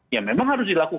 ya memang harus dilakukan